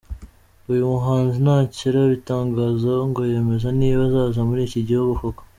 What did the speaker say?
Uyu muhanzi ntacyo arabitangazaho ngo yemeze niba azaza muri iki gihugu koko.